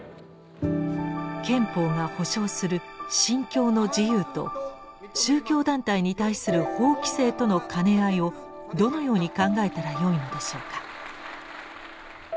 憲法が保障する「信教の自由」と宗教団体に対する法規制との兼ね合いをどのように考えたらよいのでしょうか？